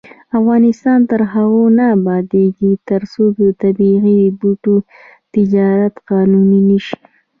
افغانستان تر هغو نه ابادیږي، ترڅو د طبیعي بوټو تجارت قانوني نشي.